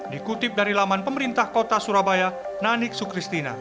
dikutip dari laman pemerintah kota surabaya nanik sukristina